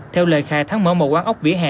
theo lời khai thắng mở một quán ốc vỉa hè